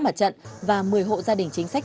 mặt trận và một mươi hộ gia đình chính sách